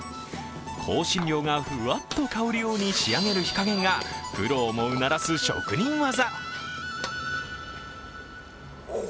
香辛料がふわっと香るように仕上げる火加減がプロをもうならす職人技。